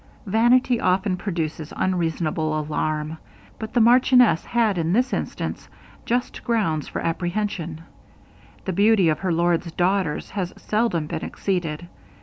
Vanity often produces unreasonable alarm; but the marchioness had in this instance just grounds for apprehension; the beauty of her lord's daughters has seldom been exceeded.